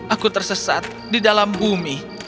aku tersesat di dalam bumi